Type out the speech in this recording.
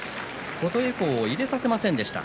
琴恵光、入れさせませんでした。